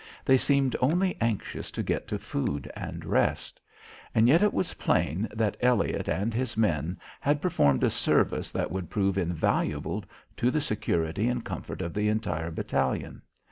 They seemed only anxious to get to food and rest. And yet it was plain that Elliott and his men had performed a service that would prove invaluable to the security and comfort of the entire battalion.